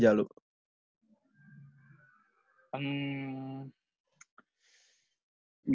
yang ngomong kayaknya ini udah berhasil